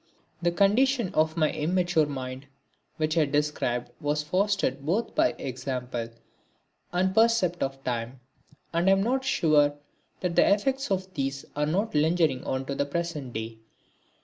The condition of my immature mind which I have described was fostered both by the example and precept of the time, and I am not sure that the effects of these are not lingering on to the present day.